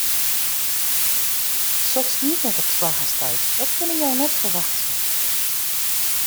Soks giet net op slach en stuit, dat kinne jo net ferwachtsje.